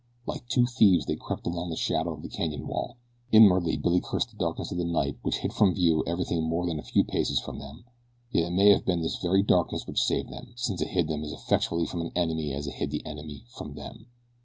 Like two thieves they crept along in the shadow of the canyon wall. Inwardly Billy cursed the darkness of the night which hid from view everything more than a few paces from them; yet it may have been this very darkness which saved them, since it hid them as effectually from an enemy as it hid the enemy from them.